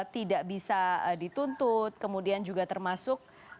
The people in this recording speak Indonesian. tidak bisa dituntut kemudian juga termasuk